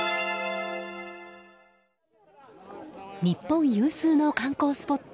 日本有数の観光スポット